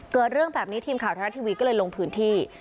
เกิดเรื่องแบบนี้ทีมข่าวไทยรัฐทีวีก็เลยลงพื้นที่